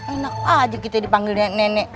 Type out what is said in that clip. enak aja kita dipanggil nenek